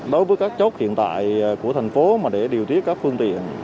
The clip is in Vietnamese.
đối với các chốt hiện tại của thành phố mà để điều tiết các phương tiện